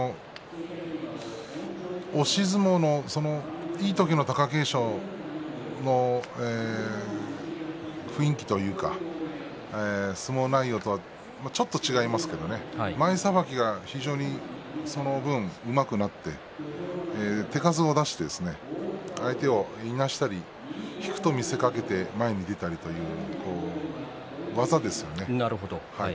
押し相撲のいい時の貴景勝の雰囲気というか相撲内容とちょっと違いますけれども前さばきが非常にその分うまくなって手数も出して相手をいなしたり引くと見せかけて前に出たりという技ですね